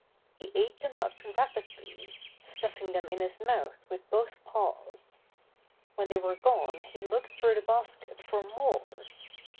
He ate them up rapidly, stuffing them in his mouth with both paws. When they were gone he looked through the basket for more.